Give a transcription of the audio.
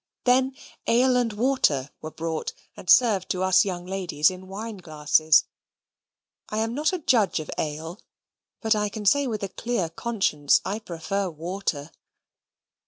Then "ale and water" were brought, and served to us young ladies in wine glasses. I am not a judge of ale, but I can say with a clear conscience I prefer water.